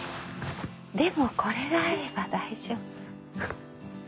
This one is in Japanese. でもこれがあれば大丈夫。